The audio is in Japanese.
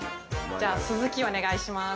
じゃあ、スズキお願いします。